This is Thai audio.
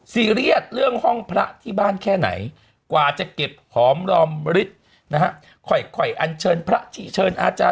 ซีเรียสเรื่องห้องพระที่บ้านแค่ไหนกว่าจะเก็บหอมรอมฤทธิ์นะฮะ